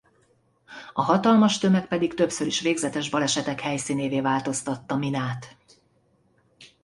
A hatalmas tömeg pedig többször is végzetes balesetek helyszínévé változtatta Minát.